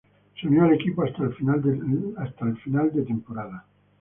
Se unió al equipo hasta final de temporada.